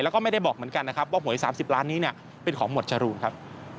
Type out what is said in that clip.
แล้วก็ไม่ได้บอกเหมือนกันนะครับว่าหวย๓๐ล้านนี้เป็นของหมวดจรูนครับ